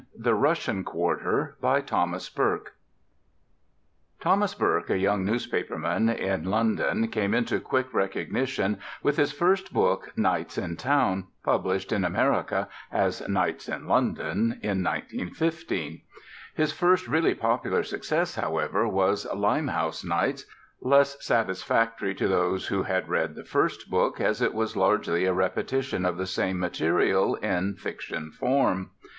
THE RUSSIAN QUARTER By THOMAS BURKE Thomas Burke, a young newspaper man in London, came into quick recognition with his first book, Nights in Town (published in America as Nights in London) in 1915. His first really popular success, however, was Limehouse Nights, less satisfactory to those who had read the first book, as it was largely a repetition of the same material in fiction form.